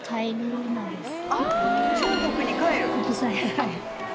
はい。